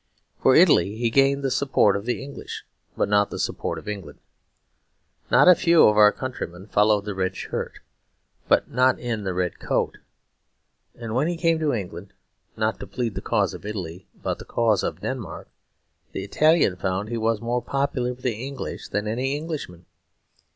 For Italy he gained the support of the English, but not the support of England. Not a few of our countrymen followed the red shirt; but not in the red coat. And when he came to England, not to plead the cause of Italy but the cause of Denmark, the Italian found he was more popular with the English than any Englishman.